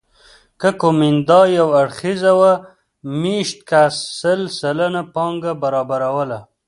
که کومېندا یو اړخیزه وه مېشت کس سل سلنه پانګه برابروله